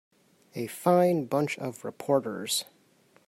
A fine bunch of reporters.